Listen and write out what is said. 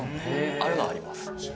あるのはあります。